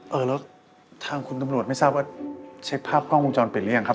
เออแล้วทางคุณตำรวจไม่ทราบว่าเช็คภาพกล้องวงจรปิดหรือยังครับ